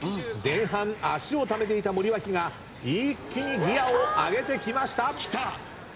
前半脚をためていた森脇が一気にギアを上げてきました。